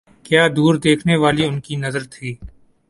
کیا دور دیکھنے والی ان کی نظر تھی۔